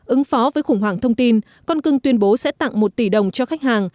ứng phó với khủng hoảng thông tin con cưng tuyên bố sẽ tặng một tỷ đồng cho khách hàng